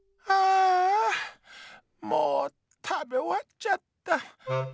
ああもうたべおわっちゃった。